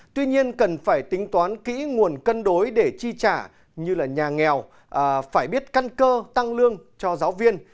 tuy nhiên cần phải tính toán kỹ nguồn cân đối để chi trả như là nhà nghèo phải biết căn cơ tăng lương cho giáo viên